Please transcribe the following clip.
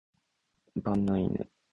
馬面の犬